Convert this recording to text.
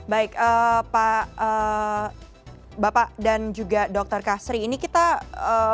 baik pak bapak dan juga dokter kastri ini kita untuk menguasai pelihatan sekolah atau pelihatan sekolah